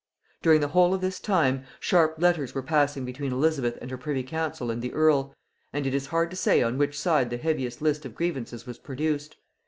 During the whole of this time, sharp letters were passing between Elizabeth and her privy council and the earl; and it is hard to say on which side the heaviest list of grievances was produced.